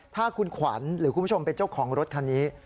ถ้าคุณขวัญหรือคุณผู้ชมเป็นเจ้าของรถคันนี้